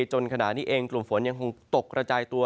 จนขณะนี้เองกลุ่มฝนยังคงตกกระจายตัว